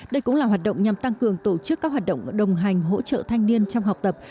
đây cũng là hoạt động nhằm tăng cường tổ chức các hoạt động đồng hành hỗ trợ thanh niên trong học tập